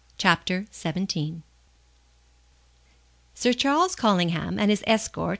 CHAPTER XVII Sir Charles Collingham and his escort, M.